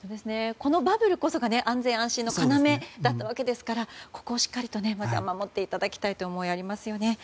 このバブルこそが安心・安全の要だったのでここをしっかりとまずは守っていただきたいという思いがありますよね。